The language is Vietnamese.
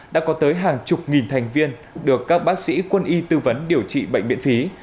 đã có tới hàng chục nghìn thành viên được các bác sĩ quân y tư vấn điều trị bệnh viện phí